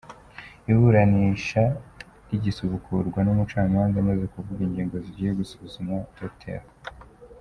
Iburanisha rigisubukurwa, n’Umucamanza amaze kuvuga ingingo zigiye gusuzumwa, Dr.